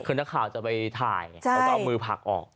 คือนักข่าวจะไปถ่ายเขาก็เอามือผลักออก